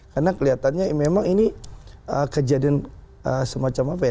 karena kelihatannya memang ini kejadian semacam apa ya